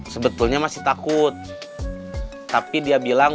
sebetulnya masih takut tapi dia bilang